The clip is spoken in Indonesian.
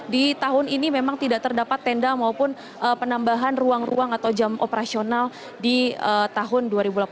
di tahun ini memang tidak terdapat tenda maupun penambahan ruang ruang atau jam operasional di tahun dua ribu delapan belas